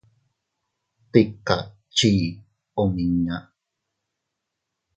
Tika chii omiña.